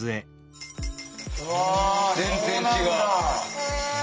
全然違う。